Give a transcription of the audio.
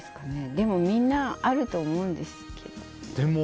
でもみんなあると思うんです。